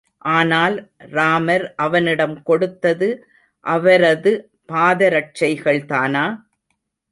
ஆனால் ராமர் அவனிடம் கொடுத்தது அவரது பாதரட்சைகள் தானா?